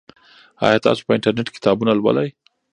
آیا تاسو په انټرنیټ کې کتابونه لولئ؟